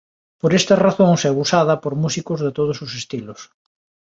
Por estas razóns é usada por músicos de todos os estilos.